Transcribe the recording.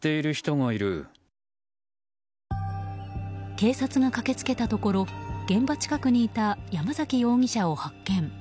警察が駆け付けたところ現場近くにいた山崎容疑者を発見。